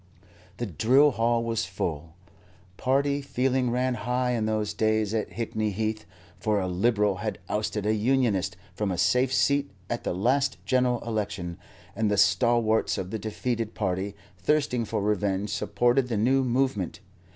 The drill hall was full. Party feeling ran high in those days at Hickney Heath, for a Liberal had ousted a Unionist from a safe seat at the last General Election, and the stalwarts of the defeated party, thirsting for revenge, supported the new movement.